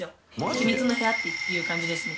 秘密の部屋っていう感じですね。